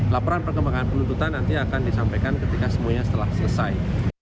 laporan perkembangan penuntutan nanti akan disampaikan ketika semuanya setelah selesai